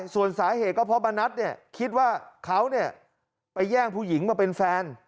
ส่วนสาเหตุก็เพราะมณัฐคิดว่าเขาไปแย่งผู้หญิงมาเป็นแฟน